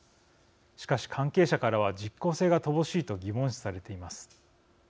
しかし関係者からは実効性が乏しいと疑問視されています。